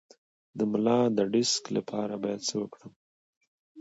د ملا د ډیسک لپاره باید څه وکړم؟